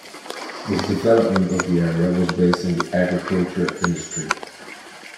The development of the area was based on the agriculture industry.